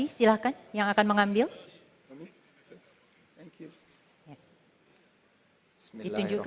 berlangganan ulasannya tentu